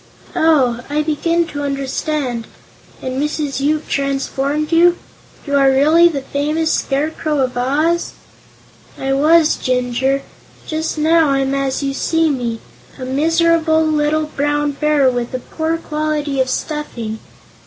"Oh; I begin to understand. And Mrs. Yoop transformed you? You are really the famous Scarecrow of Oz." "I was, Jinjur. Just now I'm as you see me a miserable little Brown Bear with a poor quality of stuffing.